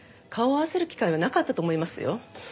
顔を合わせる機会はなかったと思いますよ。